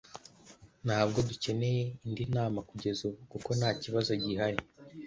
Ntabwo dukeneye indi nama kugeza ubu, kuko ntakibazo gihari